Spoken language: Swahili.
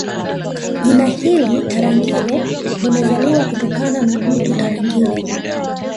Jina hili Tarangire limezaliwa kutokana na mto Tarangire